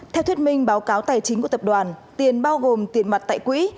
theo thuyết minh báo cáo tài chính của tập đoàn tiền bao gồm tiền mặt tại quỹ